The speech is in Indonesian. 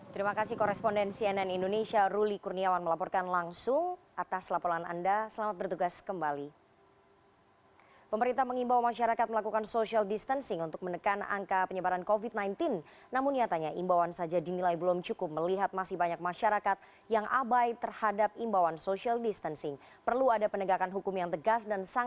terima kasih koresponden cnn indonesia ruli kurniawan melaporkan langsung atas laporan anda